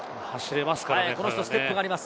この人はステップがあります。